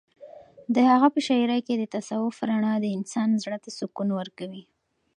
د هغه په شاعرۍ کې د تصوف رڼا د انسان زړه ته سکون ورکوي.